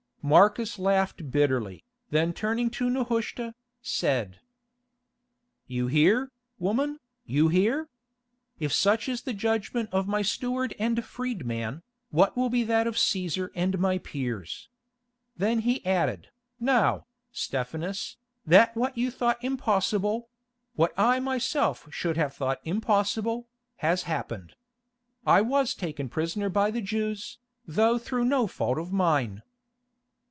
Marcus laughed bitterly, then turning to Nehushta, said: "You hear, woman, you hear. If such is the judgment of my steward and freedman, what will be that of Cæsar and my peers?" Then he added, "Now, Stephanus, that what you thought impossible—what I myself should have thought impossible—has happened. I was taken prisoner by the Jews, though through no fault of mine."